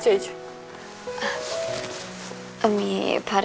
terima kasih ya pak